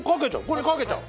これかけちゃう？